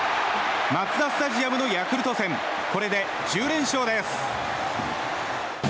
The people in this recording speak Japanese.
マツダスタジアムのヤクルト戦これで１０連勝です。